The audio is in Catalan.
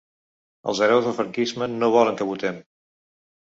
Els hereus del franquisme no volen que votem.